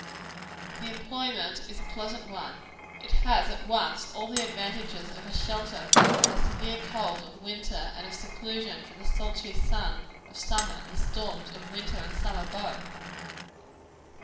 The employment is a pleasant one. It has at once all the advantages of a shelter from the severe cold of the winter, and of seclusion from the sultry sun of summer, and the storms of winter and summer both.